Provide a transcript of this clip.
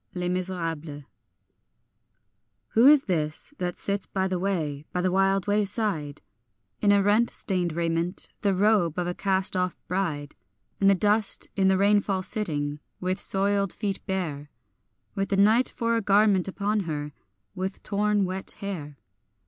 Les Misérables. WHO is this that sits by the way, by the wild wayside, In a rent stained raiment, the robe of a cast off bride, In the dust, in the rainfall sitting, with soiled feet bare, With the night for a garment upon her, with torn wet hair?